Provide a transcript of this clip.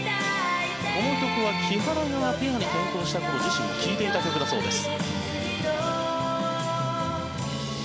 この曲は木原がペアに転向した頃自身が聴いていた曲だそうです。